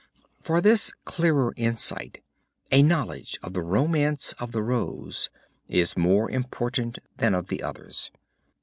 For this clearer insight a knowledge of the Romance of the Rose is more important than of the others.